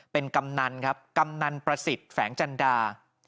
เป็นกำนันครับกำนันประสิทธิ์แฝงจันดา